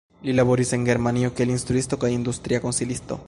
Li laboris en Germanio kiel instruisto kaj industria konsilisto.